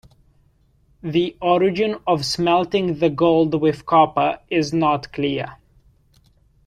The origin of smelting the gold with copper is not clear.